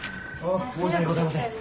申し訳ございません。